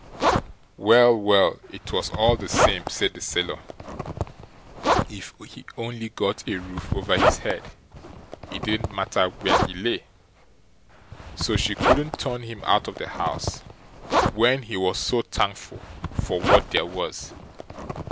Well, well, it was all the same, said the sailor; if he only got a roof over his head, it didn't matter where he lay. So she couldn't turn him out of the house, when he was so thankful for what there was.